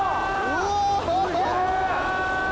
うわ！